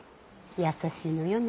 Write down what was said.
優しいのよね。